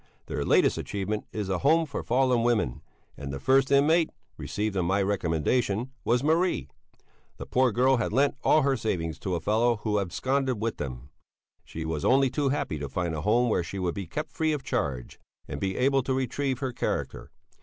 Their latest achievement is a Home for Fallen Women, and the first inmate received on my recommendation was Marie! The poor girl had lent all her savings to a fellow who absconded with them. She was only too happy to find a home where she would be kept free of charge, and be able to retrieve her character.